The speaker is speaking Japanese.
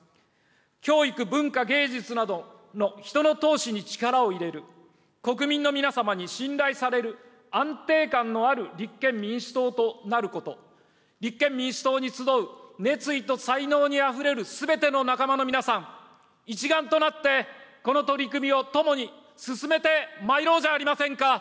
教育、文化、芸術などの人の投資に力を入れる、国民の皆様に信頼される、安定感のある立憲民主党となること、立憲民主党に集う熱意と才能にあふれるすべての仲間の皆さん、一丸となってこの取り組みを共に進めてまいろうじゃありませんか。